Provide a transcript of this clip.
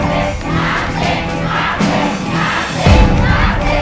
ทีมที่ได้คุณน้ำใจเพื่อบ้านเกิด